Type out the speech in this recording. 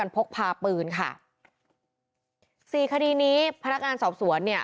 พกภาพปืนค่ะสี่สินินิพ้านาการสอบสวนเนี่ย